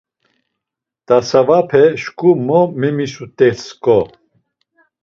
Tasavape şǩu mo memisut̆esǩo!